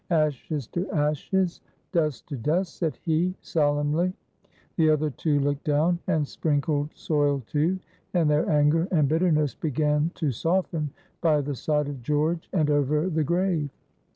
"Ashes to ashes, dust to dust," said he, solemnly. The other two looked down and sprinkled soil, too, and their anger and bitterness began to soften by the side of George and over the grave.